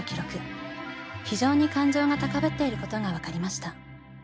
非常に感情が高ぶっていることが分かりました。